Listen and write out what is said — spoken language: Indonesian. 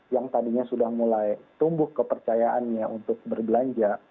yang tadinya sudah mulai tumbuh kepercayaannya untuk berbelanja